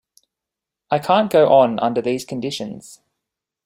I can't go on under these conditions.